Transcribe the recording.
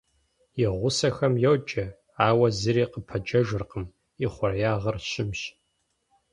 И гъусэхэм йоджэ, ауэ зыри къыпэджэжыркъым, ихъуреягъыр щымщ.